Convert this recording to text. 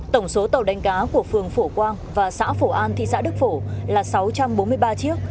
tổng số tàu đánh cá của phường phổ quang và xã phổ an thị xã đức phổ là sáu trăm bốn mươi ba chiếc